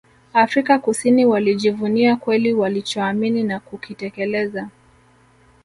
Afrika Kusini Walijivunia kweli walichoamini na kukitekeleza